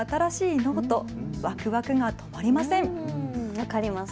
分かります。